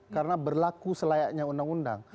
karena berlaku selayaknya undang undang